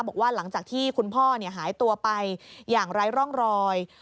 บอกว่าหลังจากที่คุณพ่อหายตัวไปอย่างไร้ร่องรอย